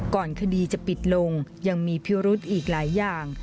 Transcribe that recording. ก่อนคดีจะปิดลงยังมีพิรุธอีกหลายอย่าง